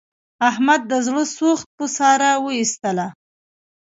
احمد د زړه سوخت په ساره و ایستلا.